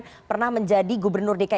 kemudian pernah menjadi gubernur dari jokowi